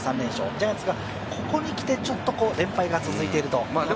ジャイアンツがここにきてちょっと連敗が続いていると。